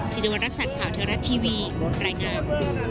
สินวัลรักษณ์ข่าวเทวรัตน์ทีวีรายงาน